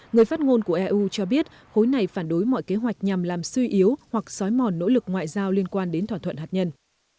người phát ngôn của eu cho biết hối này phản đối mọi kế hoạch nhằm làm suy yếu hoặc xói mòn nỗ lực ngoại giao liên quan đến thỏa thuận hạt nhân